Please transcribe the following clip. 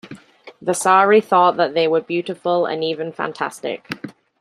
Vasari thought that they were beautiful, and even fantastic.